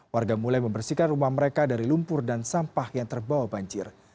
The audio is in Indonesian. warga mulai membersihkan rumah mereka dari lumpur dan sampah yang terbawa banjir